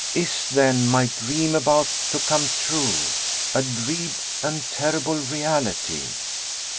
Is, then, my dream about to come true a dread and terrible reality?